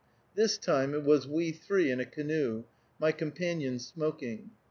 This time it was we three in a canoe, my companion smoking.